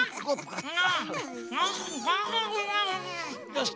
よし。